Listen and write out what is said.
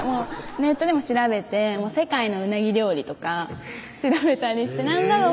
ネットでも調べて世界の鰻料理とか調べたりして何だろう？